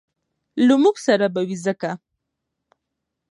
له موږ سره به وي ځکه